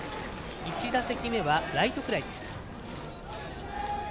１打席目はライトフライでした。